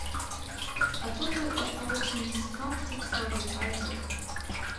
A total of four teams competed for the title.